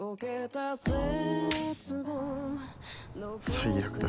最悪だ。